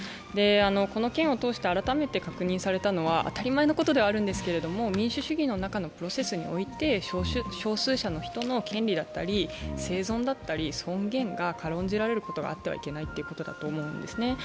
この件を通して改めて確認されたのは、当たり前のことなんですが民主主義の中のプロセスにおいて少数者の人の権利だったり、生存だったり尊厳が軽んじられることがあってはいけないということだと思うんですね。